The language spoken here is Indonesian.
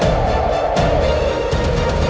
aku akan menikah denganmu